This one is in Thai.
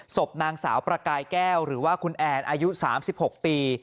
ศพนางสาวประกายแก้วหรือว่าคุณแอนอายุ๓๖ปี